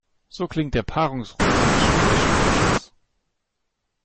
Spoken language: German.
So klingt der Paarungsruf eines schwedischen Hirsches.